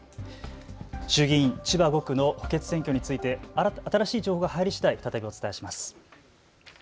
衆議院千葉５区の補欠選挙について、新しい情報が入りしだい、再びお伝えします。